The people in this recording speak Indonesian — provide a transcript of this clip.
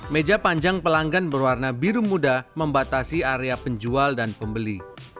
meja panjang pelanggan berwarna biru muda membatasi area penjual dan pembeli